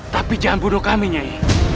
tapi jangan buru kami nyai